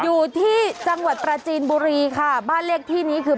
อยู่ที่จังหวัดปราจีนบุรีค่ะบ้านเลขที่นี้คือ